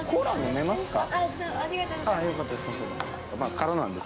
良かったです。